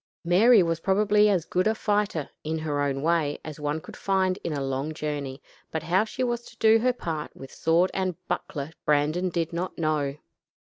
Mary was probably as good a fighter, in her own way, as one could find in a long journey, but how she was to do her part with sword and buckler Brandon did not know.